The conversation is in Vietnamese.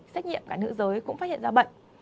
xét nghiệm cả nữ giới cũng phát hiện ra bệnh